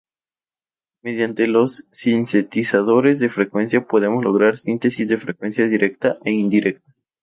Mediante los sintetizadores de frecuencia podemos lograr síntesis de frecuencia directa e indirecta.